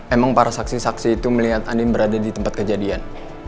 emang para saksi saksi itu melihat andi berada di tempat kejadian